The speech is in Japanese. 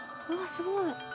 すごい